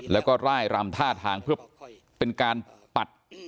แล้วก็ร่ายรำท่าทางเพื่อเป็นการปัด